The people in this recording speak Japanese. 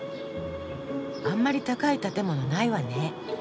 あんまり高い建物ないわね。